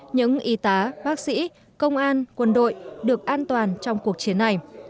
những y tá bác sĩ công an quân đội được an toàn trong cuộc chiến này